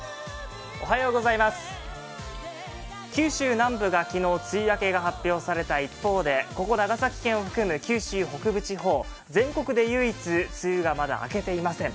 九州南部が昨日、梅雨明けが発表された一方でここ長崎県を含む九州北部地方、全国で唯一、梅雨がまだ明けていません。